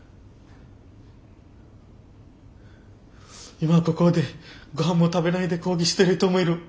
今ここでごはんも食べないで抗議している人もいる。